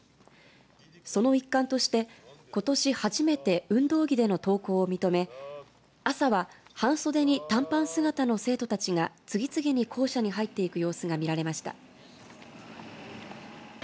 その一環として、ことし初めて運動着での登校を認め朝は半袖に短パン姿の生徒たちが次々に校舎に入っていく様子が見られました。